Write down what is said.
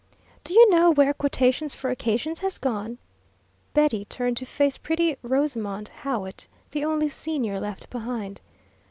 "Do you know where 'Quotations for Occasions' has gone?" Betty turned to face pretty Rosamond Howitt, the only senior left behind.